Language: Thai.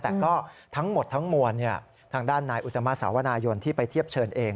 แต่ก็ทั้งหมดทั้งมวลทางด้านนายอุตมาสาวนายนที่ไปเทียบเชิญเอง